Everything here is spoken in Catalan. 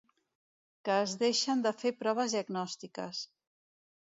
Que es deixen de fer proves diagnòstiques.